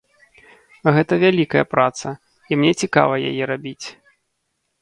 Гэта вялікая праца, і мне цікава яе рабіць.